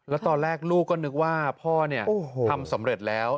แล้วตอนแรกลูกก็นึกว่าพ่อทำสำเร็จแล้ว